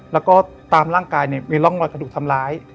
แล้วก็ตามร่างกายเนี่ยมีร่องรอยกระดูกทำร้าย